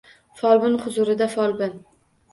Folbin huzurida, folbin